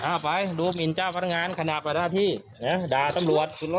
เอาไปดูหมินจ้าพันธงานขณะปฏิบัติภาพที่ด่าตำรวจ